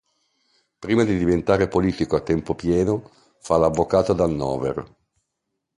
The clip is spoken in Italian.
Prima di diventare politico a tempo pieno, fa l'avvocato ad Hannover.